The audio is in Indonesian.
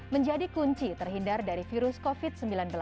menjadi kunci terhindar dari virus covid sembilan belas